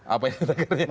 apa yang kita kirim